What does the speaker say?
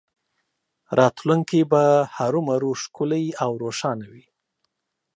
راتلونکی به هرومرو ښکلی او روښانه وي